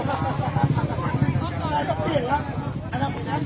อันดับอันดับอันดับ